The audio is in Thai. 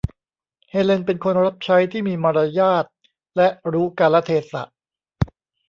เฮเลนเป็นคนรับใช้ที่มีมารยาทและรู้กาลเทศะ